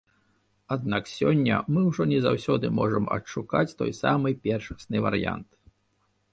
Аднак сёння мы ўжо не заўсёды можам адшукаць той самы першасны варыянт.